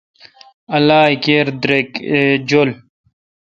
اللہ کیر دیرک تھ چو۔